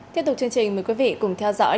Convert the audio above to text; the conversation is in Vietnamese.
tiếp tục chương trình mời quý vị cùng theo dõi